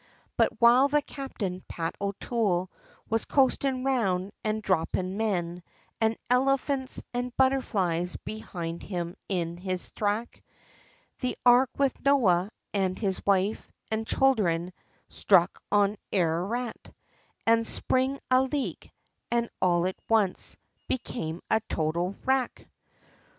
But while the Captain, Pat O'Toole, was coastin' round, an' dhroppin' men, An' elephants, an' butterflies, behind him in his thrack, The ark with Noah, and his wife, an' childer, sthruck on Ararat, An' sprung a leak, an' all at once, became a total wrack!